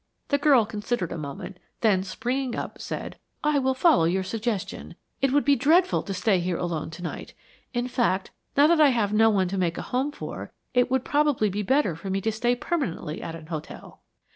The girl considered a moment, then, springing up, said, "I will follow your suggestion. It would be dreadful to stay here alone tonight. In fact, now that I have no one to make a home for, it would probably be better for me to stay permanently at an hotel."